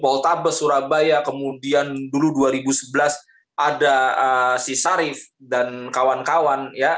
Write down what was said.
poltabes surabaya kemudian dulu dua ribu sebelas ada si sarif dan kawan kawan ya